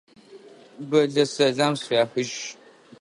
Бэллэ сэлам сфяхыжь.